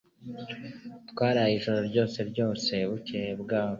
Twaraye iryo joro ryose bukeye bwaho